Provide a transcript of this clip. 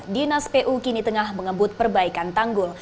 dinas pu kini tengah mengebut perbaikan tanggul